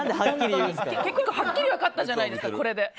はっきり分かったじゃないですかこれ。